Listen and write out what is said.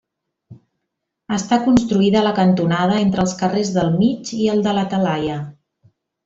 Està construïda a la cantonada entre els carrers del Mig i el de la Talaia.